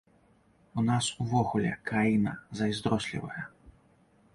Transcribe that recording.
У нас увогуле краіна зайздрослівая.